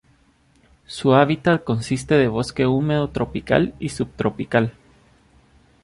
Su hábitat consiste de bosque húmedo tropical y subtropical.